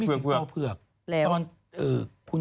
เขามีสิงโตเผือก